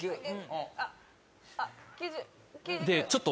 あっ